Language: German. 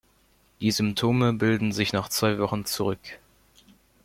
Die Symptome bilden sich nach zwei Wochen zurück.